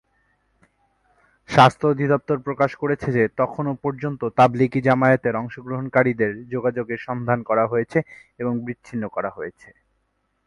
স্বাস্থ্য অধিদফতর প্রকাশ করেছে যে তখনও পর্যন্ত তাবলিগী জামায়াতের অংশগ্রহণকারীদের যোগাযোগের সন্ধান করা হয়েছে এবং বিচ্ছিন্ন করা হয়েছে।